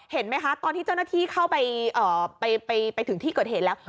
เห็นไหมคะตอนที่เจ้าหน้าที่เข้าไปถึงที่เกิดเหตุแล้ว